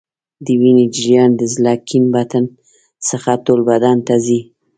د وینې جریان د زړه کیڼ بطن څخه ټول بدن ته ځي.